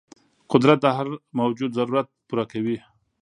قدرت د هر موجود ضرورت پوره کوي.